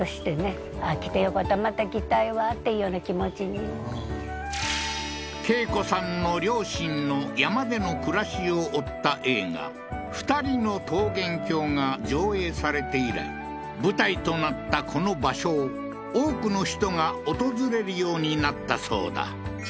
ここでだから恵子さんの両親の山での暮らしを追った映画ふたりの桃源郷が上映されて以来舞台となったこの場所を多くの人が訪れるようになったそうだ